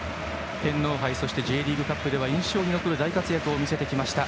天皇杯そしてＪリーグカップでは印象に残る大活躍を見せてきました。